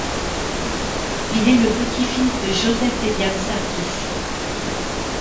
Il est le petit-fils de Joseph Elian Sarkis.